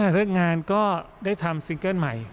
เรื่องงานก็ได้ทำซิงเกิ้ลใหม่